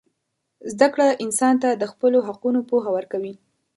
زدهکړه انسان ته د خپلو حقونو پوهه ورکوي.